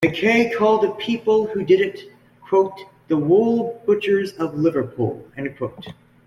McKay called the people who did it "the wood butchers of Liverpool".